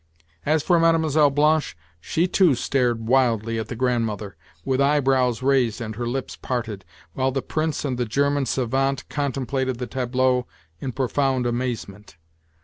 As for Mlle. Blanche, she too stared wildly at the Grandmother, with eyebrows raised and her lips parted—while the Prince and the German savant contemplated the tableau in profound amazement.